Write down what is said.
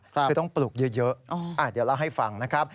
คือต้องปลูกเยอะเดี๋ยวเล่าให้ฟังนะครับ